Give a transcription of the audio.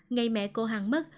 ngày mẹ cô hằng mất